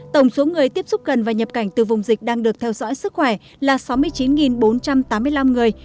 tổng số người tiếp xúc gần và nhập cảnh từ vùng dịch đang được theo dõi sức khỏe là sáu mươi chín bốn trăm tám mươi năm người